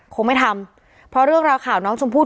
คงไม่ทำเพราะเรื่องราวข่าวน้องชมพู่